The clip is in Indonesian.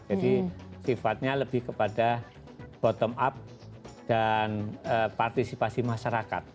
jadi sifatnya lebih kepada bottom up dan partisipasi masyarakat